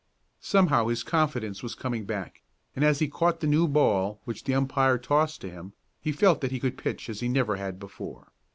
Somehow his confidence was coming back, and as he caught the new ball which the umpire tossed to him, he felt that he could pitch as he never had before.